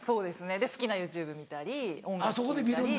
で好きなＹｏｕＴｕｂｅ見たり音楽聴いたり。